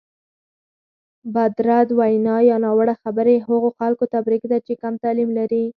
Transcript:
بدرد وینا یا ناوړه خبرې هغو خلکو ته پرېږده چې کم تعلیم لري.